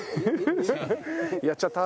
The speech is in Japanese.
「やっちゃった！？」